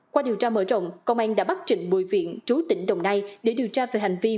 qua điều tra mở rộng công an đã bắt trịnh bùi viện chú tỉnh đồng nai để điều tra về hành vi